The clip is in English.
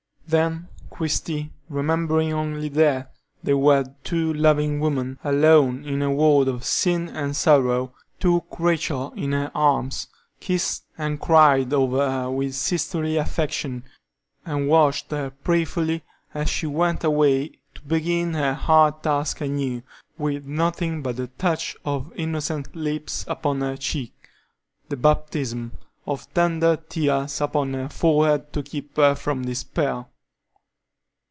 Then Christie, remembering only that they were two loving women, alone in a world of sin and sorrow, took Rachel in her arms, kissed and cried over her with sisterly affection, and watched her prayerfully, as she went away to begin her hard task anew, with nothing but the touch of innocent lips upon her cheek, the baptism, of tender tears upon her forehead to keep her from despair.